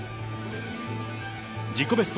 自己ベスト